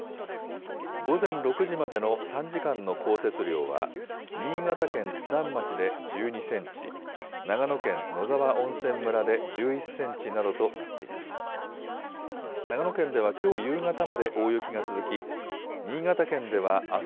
午前６時までの３時間の降雪量は、新潟県津南町で１２センチ、長野県野沢温泉村で１１センチなどとなっています。